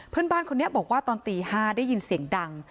เพื่อนบ้านคนนี้บอกว่าตอนตี๕ได้ยินเสียงดัง